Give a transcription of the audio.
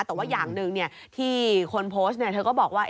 แต่ว่าอย่างหนึ่งที่คนโพสต์เธอก็บอกว่า